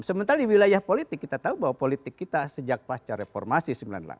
sementara di wilayah politik kita tahu bahwa politik kita sejak pasca reformasi sembilan puluh delapan